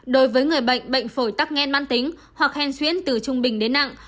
đối với người bệnh bệnh phổi tắc nghen măn tính hoặc hen xuyến từ trung bình đến nặng